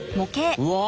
うわ！